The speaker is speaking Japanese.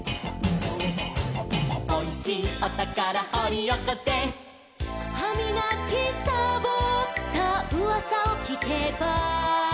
「おいしいおたからほりおこせ」「はみがきさぼったうわさをきけば」